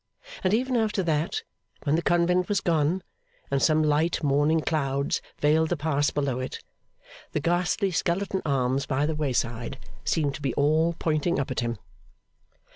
And even after that, when the convent was gone and some light morning clouds veiled the pass below it, the ghastly skeleton arms by the wayside seemed to be all pointing up at him.